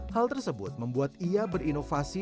hal tersebut membuat ia berinovasi